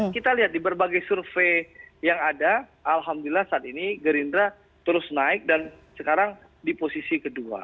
kita lihat di berbagai survei yang ada alhamdulillah saat ini gerindra terus naik dan sekarang di posisi kedua